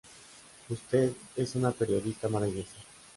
Usted es una periodista maravillosa.